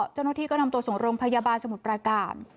เจ้าหน้าที่ก็นำตัวส่งโรงพยาบาลสมุทรประการ